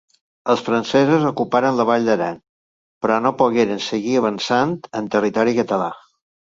Els francesos ocuparen la Vall d'Aran, però no pogueren seguir avançant en territori català.